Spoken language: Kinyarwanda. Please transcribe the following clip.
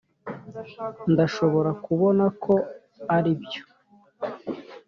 ndashobora kubona ko aribyo